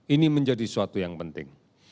ini menjadi suatu yang penting